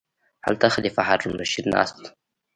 هلته خلیفه هارون الرشید ناست و.